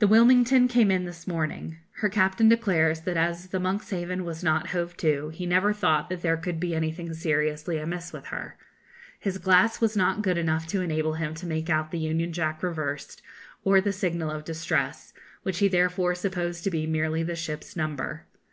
The 'Wilmington' came in this morning. Her captain declares that as the 'Monkshaven' was not hove to, he never thought that there could be anything seriously amiss with her. His glass was not good enough to enable him to make out the union jack reversed, or the signal of distress, which he therefore supposed to be merely the ship's number.